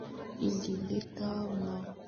ilileta mara kadhaa sheria zilizolenga kuweka mipaka